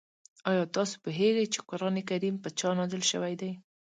آیا تاسو پوهېږئ چې قرآن کریم په چا نازل شوی دی؟